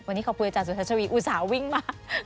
วันนี้ขอบคุณอาจารย์สุชัชวีอุตส่าห์วิ่งมาก